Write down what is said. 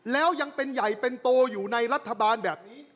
แล้วยังเป็นใหญ่เป็นโตอยู่ในรัฐบาลแบบนี้